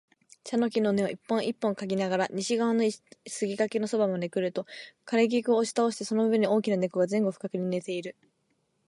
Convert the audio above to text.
茶の木の根を一本一本嗅ぎながら、西側の杉垣のそばまでくると、枯菊を押し倒してその上に大きな猫が前後不覚に寝ている